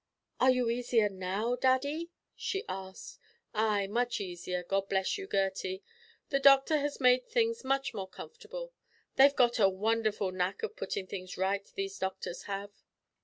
"Are you easier now, daddy?" she asked. "Ay, much easier, God bless you, Gertie. The doctor has made things much more comfortable. They've got a wonderful knack o' puttin' things right these doctors have.